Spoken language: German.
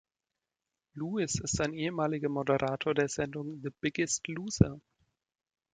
Lewis ist ein ehemaliger Moderator der Sendung „The Biggest Loser.“